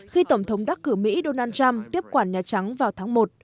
khi tổng thống đắc cử mỹ donald trump tiếp quản nhà trắng vào tháng một